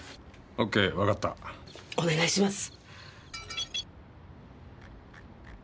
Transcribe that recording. オッケー分かったお願いします